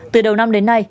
từ đầu năm đến nay